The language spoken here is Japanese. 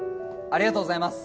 ありがとうございます。